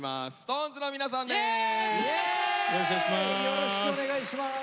よろしくお願いします。